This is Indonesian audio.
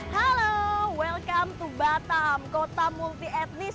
halo selamat datang di batam kota multi etnis